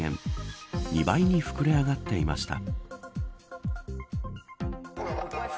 ２倍に膨れ上がっていました。